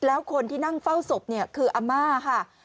แล้วคนที่นั่งเฝ้าศพเนี่ยคืออาม่าค่ะ